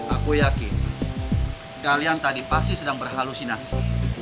aku yakin kalian tadi pasti sedang berhalusinasi